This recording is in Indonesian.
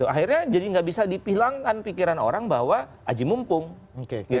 akhirnya jadi nggak bisa dipilangkan pikiran orang bahwa aji mumpung